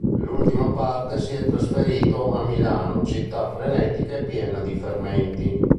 Nell'ultima parte si è trasferito a Milano, città frenetica e piena di fermenti.